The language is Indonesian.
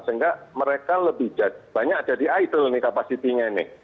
sehingga mereka lebih banyak jadi idle kapasitinya ini